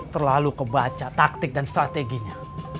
terlalu kebaca taktik dan strateginya